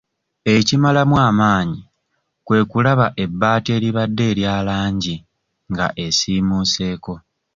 Ekimalamu amaanyi kwe kulaba ebbaati eribadde erya langi nga esiimuuseeko..